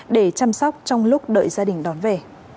để chăm sóc trong lúc đợi gia đình đón về